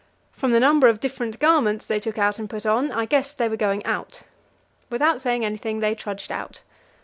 From the number of different garments they took out and put on, I guessed they were going out. Without saying anything, they trudged out.